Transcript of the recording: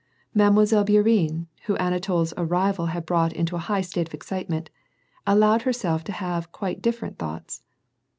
Mile. Bourienne, whom AnatoPs arrival had brought into a high state of excitement, allowed herself to have quite differ ent thoughts.